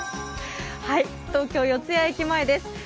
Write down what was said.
東京・四ツ谷駅前です。